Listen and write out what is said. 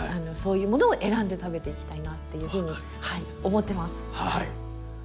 そういうものを選んで食べていきたいなっていうふうに思ってます。